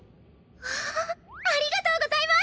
わあありがとうございます！